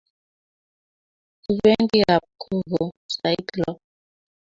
Kipendi kap gogo sait lo